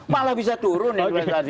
malah bisa turun investasi ini